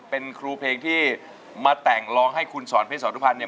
เป็นครูเพลงที่มาแต่งร้องให้คุณสอนเพชรสอนุพันธ์เนี่ย